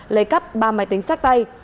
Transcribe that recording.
lấy cắp ba máy tính sát tay